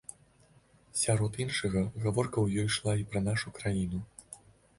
Сярод іншага, гаворка у ёй ішла і пра нашу краіну.